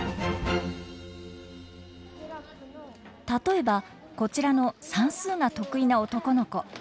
例えばこちらの算数が得意な男の子。